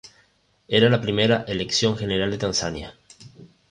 Era la primera elección general de Tanzania.